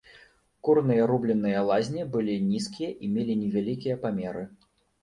Курныя рубленыя лазні былі нізкія і мелі невялікія памеры.